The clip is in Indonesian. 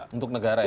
untuk negara ya